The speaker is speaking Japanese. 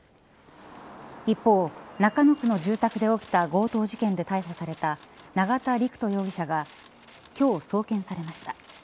一方、中野区の住宅で起きた強盗事件で逮捕された永田陸人容疑者が今日、送検されました。